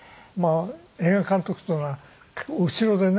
映画監督っていうのは後ろでね